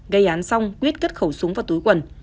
gây án xong quyết cất khẩu súng và túi quần